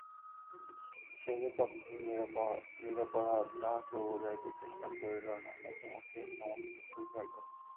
সে যে কতদূর নিরপরাধ কাহাকেও বুঝাইতে চেষ্টা করিল না, নতমুখে সমস্ত সহিয়া গেল।